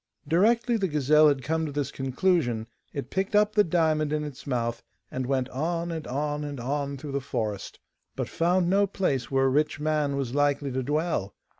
Directly the gazelle had come to this conclusion, it picked up the diamond in its mouth, and went on and on and on through the forest, but found no place where a rich man was likely to dwell.